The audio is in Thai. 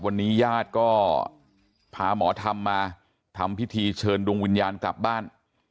วันนี้ญาติก็พาหมอธรรมมาทำพิธีเชิญดวงวิญญาณกลับบ้าน